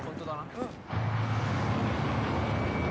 うん！